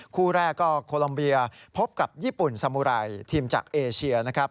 คู่แรกก็โคลัมเบียพบกับญี่ปุ่นสมุไรทีมจากเอเชียนะครับ